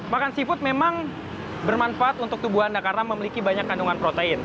makan seafood memang bermanfaat untuk tubuh anda karena memiliki banyak kandungan protein